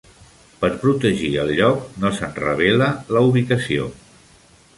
Per protegir el lloc, no se'n revela la ubicació.